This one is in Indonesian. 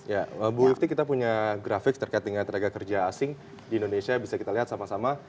ya bu ifti kita punya grafik terkait dengan tenaga kerja asing di indonesia bisa kita lihat sama sama